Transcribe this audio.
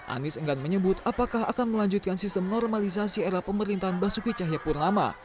anies enggan menyebut apakah akan melanjutkan sistem normalisasi era pemerintahan basuki cahayapurnama